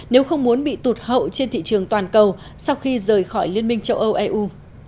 nếu không muốn bị tụt hậu trên thị trường toàn cầu sau khi rời khỏi liên minh châu âu eu